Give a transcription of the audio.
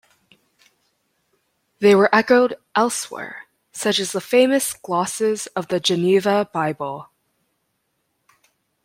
They were echoed elsewhere, such as the famous glosses of the Geneva Bible.